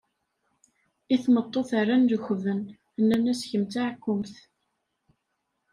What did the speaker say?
I tmeṭṭut rran lekben, nnan-as kemm d taɛkumt.